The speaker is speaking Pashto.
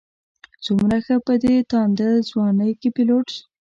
څومره ښه په دې تانده ځوانۍ کې پيلوټ یې.